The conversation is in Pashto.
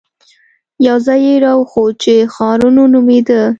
يو ځاى يې راوښود چې ښارنو نومېده.